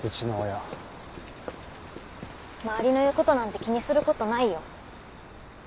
周りの言う事なんて気にする事ないよ。